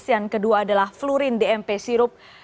yang kedua adalah flurin dmp sirup